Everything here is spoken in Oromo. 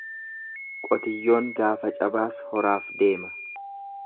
Qotiyyoon gaafa cabaas horaaf deema.